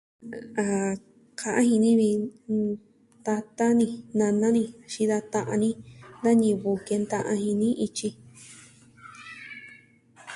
A ka'an ji ni vi tata ni, nana ni, xin da ta'an ni. Da ñivɨ kɨnta'an jini ityi.